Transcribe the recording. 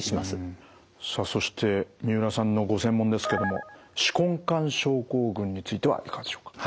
さあそして三浦さんのご専門ですけども手根管症候群についてはいかがでしょうか。